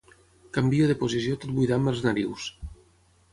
Canvio de posició tot buidant-me els narius.